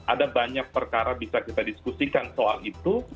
ada banyak perkara bisa kita diskusikan soal itu